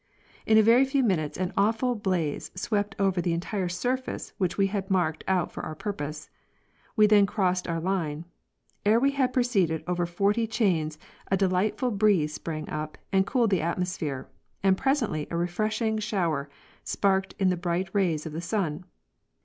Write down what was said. Ina very few minutes an awful blaze swept over the entire sur face which we had marked out for our purpose. We then crossed our line. Ere we had proceeded over forty chains a delightful breeze sprang up and cooled the atmosphere, and presently a refreshing shower sparkled in the bright rays of the sun.